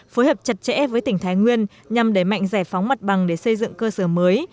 phối hợp chặt chẽ với tỉnh thái nguyên nhằm đẩy mạnh giải phóng mặt bằng để xây dựng cơ sở mới